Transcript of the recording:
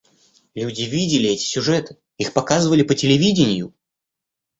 Люди видели эти сюжеты, их показывали по телевидению.